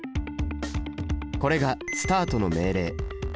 これがスタートの命令。